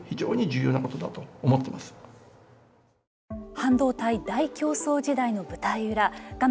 半導体大競争時代の舞台裏画面